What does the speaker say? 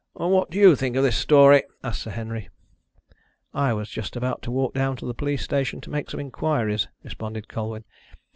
"What do you think of this story?" asked Sir Henry. "I was just about to walk down to the police station to make some inquiries," responded Colwyn.